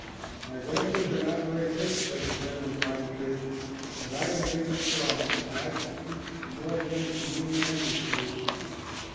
"My branches are not very thick," said the friendly pine tree, "but I am big and strong, and I can keep the north wind from you and the spruce."